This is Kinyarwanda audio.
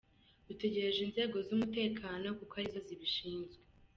Dutegereje inzego z’umutekano kuko arizo zibishinzwe.